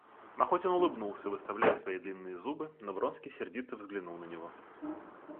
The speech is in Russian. Махотин улыбнулся, выставляя свои длинные зубы, но Вронский сердито взглянул на него.